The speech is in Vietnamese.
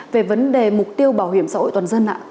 về vấn đề mục tiêu bảo hiểm xã hội toàn dân ạ